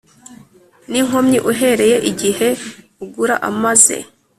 n inkomyi uhereye igihe ugura amaze